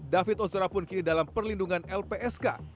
david ozora pun kini dalam perlindungan lpsk